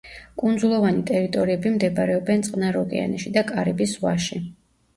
კუნძულოვანი ტერიტორიები მდებარეობენ წყნარ ოკეანეში და კარიბის ზღვაში.